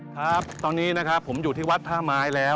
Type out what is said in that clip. ครับตอนนี้นะครับผมอยู่ที่วัดท่าไม้แล้ว